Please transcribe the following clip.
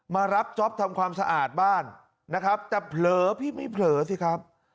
มารับจ๊อปทำความสะอาดบ้านนะครับแต่เผลอพี่ไม่เผลอสิครับ